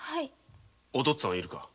お父っつぁんはいるか？